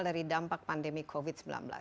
dari dampak pandemi covid sembilan belas